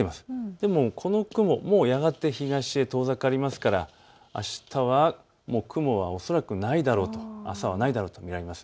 でも、この雲もうやがて東へ遠ざかりますからあしたは雲は恐らくないだろうと、朝はないだろうと見られます。